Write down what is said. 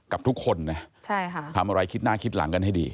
กับทุกคนนะทำอะไรคิดหน้าคิดหลังกันให้ดี